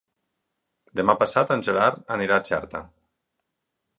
Demà passat en Gerard anirà a Xerta.